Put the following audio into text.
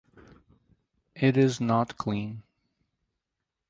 It is not clean.